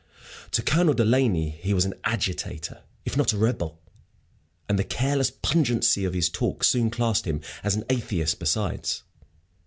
To Colonel Delaney he was an "agitator," if not a rebel; and the careless pungency of his talk soon classed him as an atheist besides.